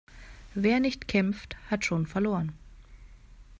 Wer nicht kämpft, hat schon verloren.